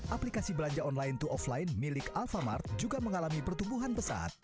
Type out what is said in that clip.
aplikasi belanja online to offline milik alfamart juga mengalami pertumbuhan pesat